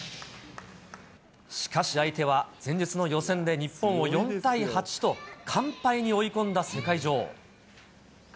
しかし相手は前日の予選で日本を４対８と、完敗に追い込んだ世界女王。